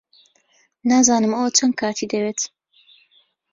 نازانم ئەوە چەند کاتی دەوێت.